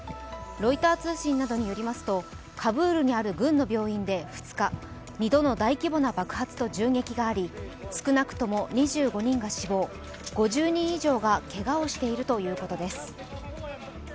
ロイター通信などによりますと、カブールにある軍の病院で２日、２度の大規模な爆発と銃撃があり少なくとも２５人が死亡、５０人以上がけがをしているということです。